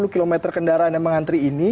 sepuluh km kendaraan yang mengantri ini